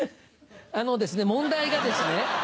あのですね問題がですね。